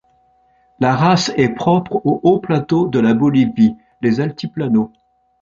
La race est propre aux hauts-plateaux de la Bolivie, les Altiplano.